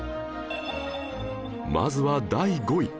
まずは第５位